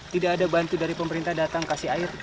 tidak ada bantu dari pemerintah datang kasih air